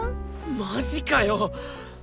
マジかよ！？